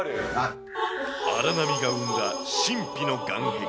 荒波が生んだ神秘の岸壁。